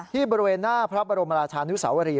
บริเวณหน้าพระบรมราชานุสาวรี